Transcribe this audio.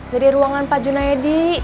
dari ruangan pak junaedi